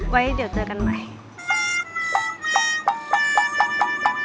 ไว้เดี๋ยวเจอกันใหม่